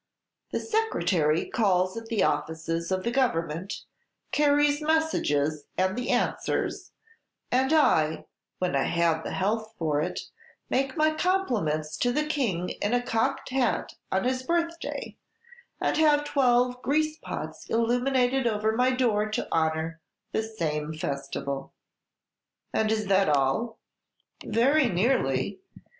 The Secretary calls at the offices of the Government, carries messages and the answers; and I, when I have health for it, make my compliments to the King in a cocked hat on his birthday, and have twelve grease pots illuminated over my door to honor the same festival." "And is that all?" "Very nearly.